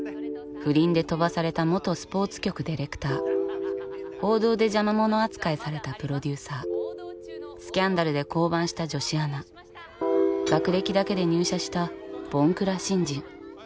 不倫で飛ばされた元スポーツ局ディレクター報道で邪魔者扱いされたプロデューサースキャンダルで降板した女子アナ学歴だけで入社したぼんくら新人。